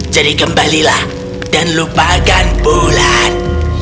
jadi kembalilah dan lupakan bulan